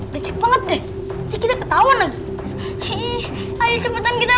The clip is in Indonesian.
besok banget deh kita ketawa lagi